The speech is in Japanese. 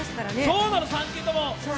そうなの、３球とも。